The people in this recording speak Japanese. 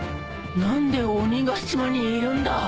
何で鬼ヶ島にいるんだ？